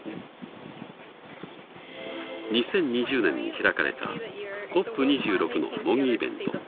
２０２０年に開かれたＣＯＰ２６の模擬イベント。